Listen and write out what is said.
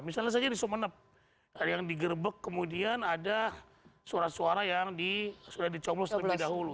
misalnya saja di sumeneb yang digerbek kemudian ada surat surat yang sudah dicomlos lebih dahulu